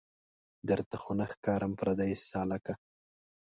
درته خو نه ښکارم پردۍ سالکه